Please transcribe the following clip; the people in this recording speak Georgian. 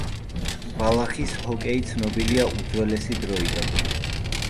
ბალახის ჰოკეი ცნობილია უძველესი დროიდან.